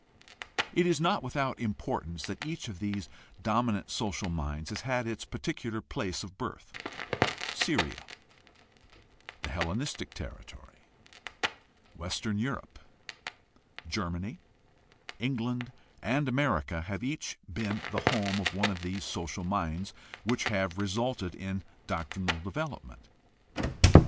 It is not without importance that each of these dominant social minds has had its particular place of birth. Syria, the Hellenistic territory. Western Europe, Germany, England, and America have each been the home of one of these social minds which have resulted in doctrinal development.